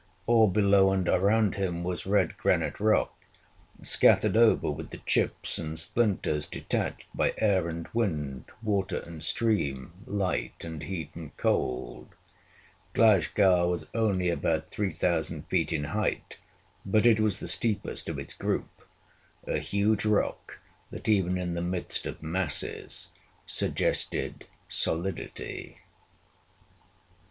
All below and around him was red granite rock, scattered over with the chips and splinters detached by air and wind, water and stream, light and heat and cold. Glashgar was only about three thousand feet in height, but it was the steepest of its group a huge rock that, even in the midst of masses, suggested solidity.